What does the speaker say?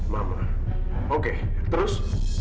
mama oke terus